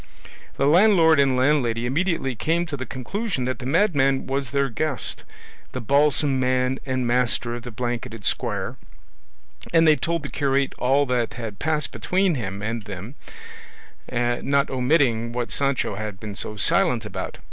The landlord and landlady immediately came to the conclusion that the madman was their guest, the balsam man and master of the blanketed squire, and they told the curate all that had passed between him and them, not omitting what Sancho had been so silent about.